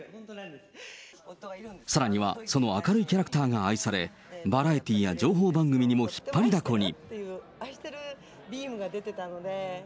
さらには、その明るいキャラクターが愛され、バラエティーや情報番組にも引っ張りだこに。